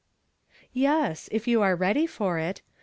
" Yes, if you are ready for it.